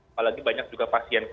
apalagi banyak juga pasien